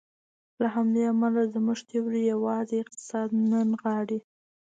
له همدې امله زموږ تیوري یوازې اقتصاد نه نغاړي.